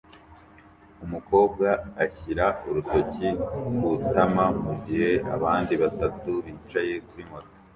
Umukobwa ashyira urutoki ku itama mugihe abandi batatu bicaye kuri moto